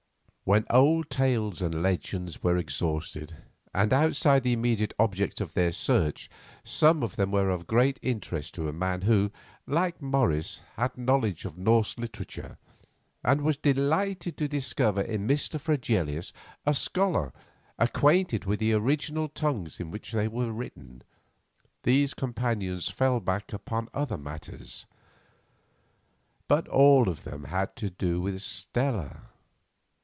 When such old tales and legends were exhausted, and, outside the immediate object of their search, some of them were of great interest to a man who, like Morris, had knowledge of Norse literature, and was delighted to discover in Mr. Fregelius a scholar acquainted with the original tongues in which they were written, these companions fell back upon other matters. But all of them had to do with Stella.